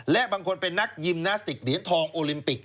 และบางคนเป็นนักยิมนาสติกเหรียญทองโอลิมปิก